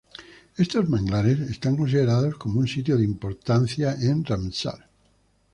Estos manglares están considerados como un sitio de importancia Ramsar.